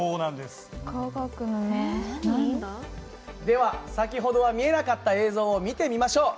では先ほどは見えなかった映像を見てみましょう。